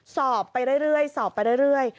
สอบไปเรื่อยสอบไปเรื่อย